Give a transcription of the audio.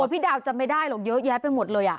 พี่ดาวจำไม่ได้หรอกเยอะแยะไปหมดเลย